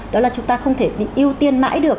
đó là chúng ta không thể bị ưu tiên mãi được